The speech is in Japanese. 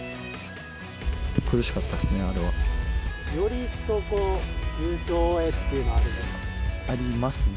苦しかったですね、あれは。より一層、優勝へというのはあるんじゃないですか？